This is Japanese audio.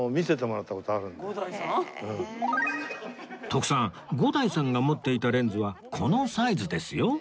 徳さん伍代さんが持っていたレンズはこのサイズですよ